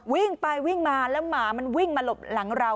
วิ่งไปวิ่งมาแล้วหมามันวิ่งมาหลบหลังเรา